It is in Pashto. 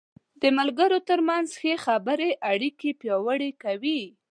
د ملګرو تر منځ ښه خبرې اړیکې پیاوړې کوي.